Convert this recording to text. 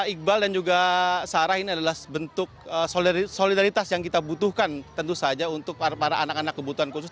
iqbal dan juga sarah ini adalah bentuk solidaritas yang kita butuhkan tentu saja untuk para anak anak kebutuhan khusus